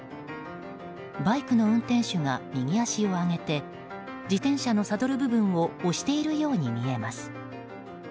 バイクの運転手が右足を上げて自転車のサドル部分を押しているように見えます。